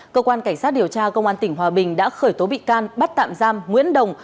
cơ quan cảnh sát điều tra công an tỉnh hòa bình đã khởi tố bị can bắt tạm giam nguyễn đồng